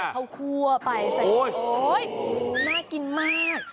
เค้ากลัวไปใส่เป็นโอ้ยน่ากินมาก